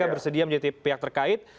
pak jk bersedia menjadi pihak terkait